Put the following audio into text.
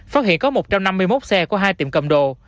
phát hiện có một trăm năm mươi một xe của hai tiệm cầm đồ